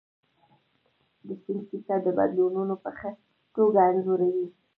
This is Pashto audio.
د سیند کیسه بدلونونه په ښه توګه انځوروي.